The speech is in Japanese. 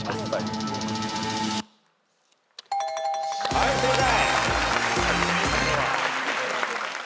はい正解。